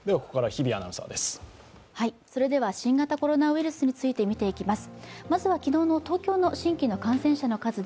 新型コロナウイルスについて見ていきます。